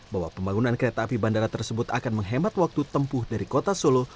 bahwa pembangunan kereta api bandara tersebut akan menghemat waktu tempuh dari kota solo